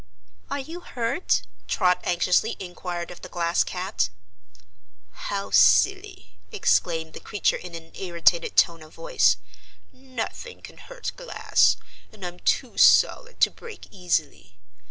"Are you hurt?" Trot anxiously inquired of the Glass Cat. "How silly!" exclaimed the creature in an irritated tone of voice; "nothing can hurt glass, and I'm too solid to break easily.